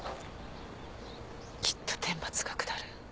きっと天罰が下る。